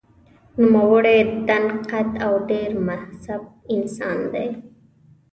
نوموړی دنګ قد او ډېر مهذب انسان دی.